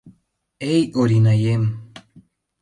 — Эй, Оринаем!